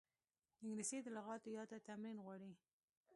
انګلیسي د لغاتو یاد ته تمرین غواړي